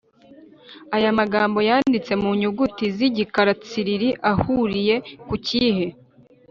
Aya magambo yanditse mu nyuguti z igikara tsiriri ahuriye ku kihe